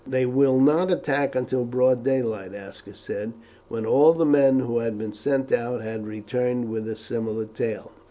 "They will not attack until broad daylight," Aska said, when all the men who had been sent out had returned with a similar tale.